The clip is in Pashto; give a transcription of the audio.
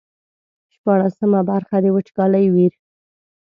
شپاړسمه برخه د وچکالۍ ویر.